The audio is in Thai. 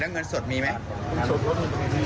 แล้วเงินสดมีไหม